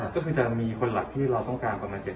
ก็คือจะมีคนหลักที่เราต้องการประมาณ๗๐